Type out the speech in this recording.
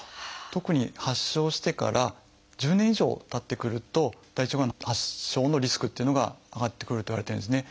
特に発症してから１０年以上たってくると大腸がんの発症のリスクっていうのが上がってくるといわれてるんですね。